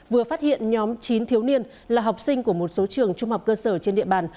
vừa phát hiện nhóm chín thiếu niên là học sinh của một số trường trung học cơ sở trên địa bàn